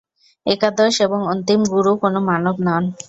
একাদশ এবং অন্তিম গুরু কোন মানব নন।